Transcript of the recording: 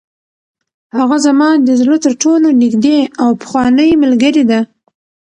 هغه زما د زړه تر ټولو نږدې او پخوانۍ ملګرې ده.